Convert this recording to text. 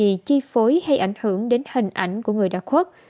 bị chi phối hay ảnh hưởng đến hình ảnh của người đã khuất